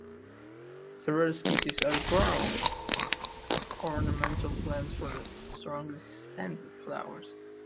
Several species are grown as ornamental plants for their strongly scented flowers.